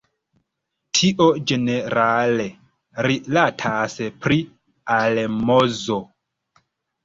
Tio ĝenerale rilatas pri almozo.